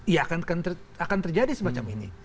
ya akan terjadi semacam ini